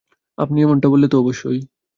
আপনি এমনটা বললে তো, অবশ্যই।